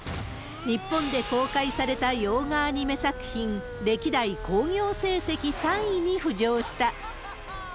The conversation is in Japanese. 日本で公開された洋画アニメ作品、歴代興行成績３位に浮上した。